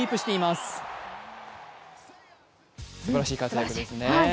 すばらしい活躍ですね。